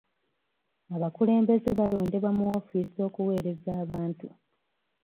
Abakulembeze balondebwa mu woofiisi okuweereza bantu.